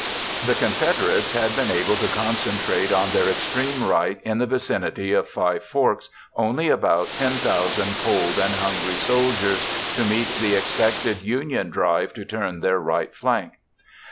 The Confederates had been able to concentrate on their extreme right in the vicinity of Five Forks only about 10,000 cold and hungry soldiers to meet the expected Union drive to turn their right flank.